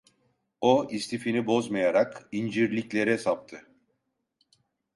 O istifini bozmayarak incirliklere saptı.